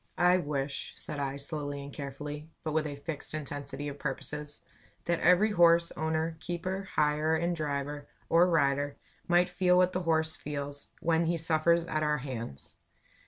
"I wish," said I, slowly and carefully, but with a fixed intensity of purposes, "that every horse owner, keeper, hirer and driver or rider, might feel what the horse feels, when he suffers at our hands.